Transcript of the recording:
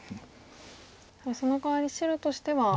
そのかわり白としては。